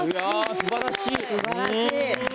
すばらしい。